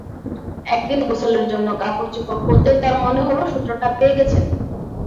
একদিন গোসলের জন্য কাপড়চোপড় খুলতেই তাঁর মনে হলো, সূত্রটা পেয়ে গেছেন।